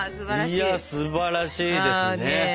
いやすばらしいですね。